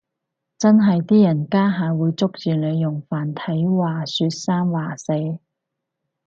真係啲人家下會捉住你用繁體話說三話四